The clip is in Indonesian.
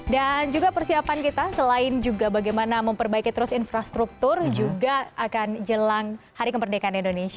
dan juga persiapan kita selain juga bagaimana memperbaiki terus infrastruktur juga akan jelang hari kemerdekaan indonesia